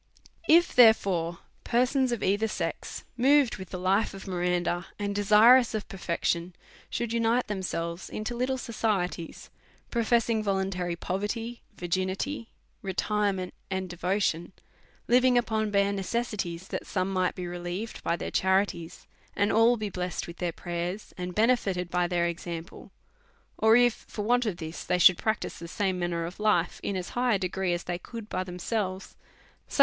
If, therefore, persons of either sex, moved with the life of Miranda, and desirous of perfection, should unite themselves into little societies, professing volun tary poverty, virginity, retirement, and devotion, liv ing upon bare necessaries, that some might be relieved by their charities, and all be blessed with their pray ers, and benefited by their example ; or if, for want of this, they should practise the same manner of life in as high a degree as they could by themselves; such DEYOUT AND HOLY LIFE.